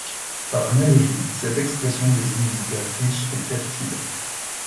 Par analogie, cette expression désigne une terre riche et fertile.